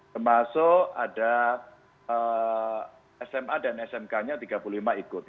termasuk ada sma dan smk nya tiga puluh lima ikut